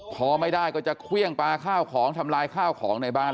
พอไม่ได้ก็จะเครื่องปลาข้าวของทำลายข้าวของในบ้าน